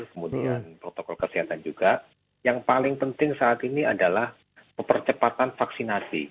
kemudian protokol kesehatan juga yang paling penting saat ini adalah percepatan vaksinasi